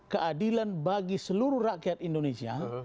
keadilan bagi seluruh rakyat indonesia